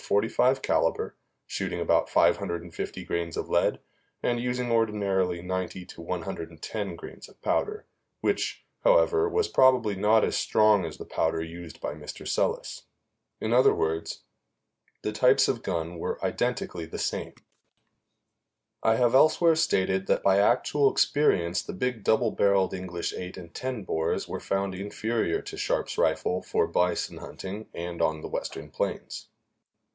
45 caliber, shooting about 550 grains of lead and using ordinarily 90 to 110 grains of powder which, however, was probably not as strong as the powder used by Mr. Selous; in other words, the types of gun were identically the same. I have elsewhere stated that by actual experience the big double barreled English eight and ten bores were found inferior to Sharps rifle for bison hunting on the Western plains.